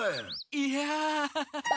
いやアハハハ。